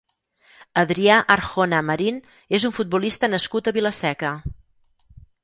Adrià Arjona Marín és un futbolista nascut a Vila-seca.